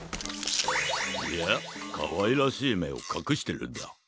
いやかわいらしいめをかくしてるんだ。